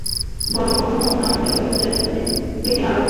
বরং কখনো কখনো আমি তাকে অন্যদের কাছ থেকে আড়াল করতে চেয়েছি।